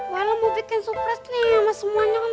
poyelem mau bikin surprise nih sama semuanya kan